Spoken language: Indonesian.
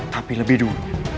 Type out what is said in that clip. tapi lebih dulu